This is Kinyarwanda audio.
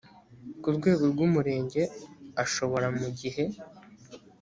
ku rwego rw umurenge ashobora mu gihe